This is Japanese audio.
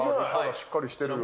しっかりしてるよ。